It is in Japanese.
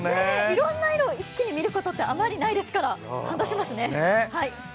いろんな色を一気に見ることあまりないんで感動しますね。